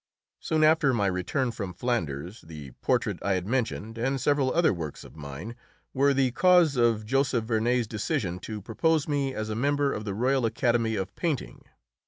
Soon after my return from Flanders, the portrait I had mentioned, and several other works of mine, were the cause of Joseph Vernet's decision to propose me as a member of the Royal Academy of Painting.